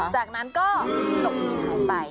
จากนั้นก็หลบหนีหายไป